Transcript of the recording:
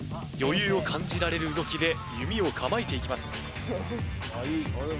余裕を感じられる動きで弓を構えていきます。